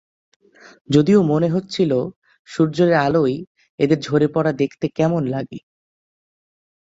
যদিও মনে হচ্ছিল সূর্যের আলোয় এদের ঝরে পড়া দেখতে কেমন লাগে।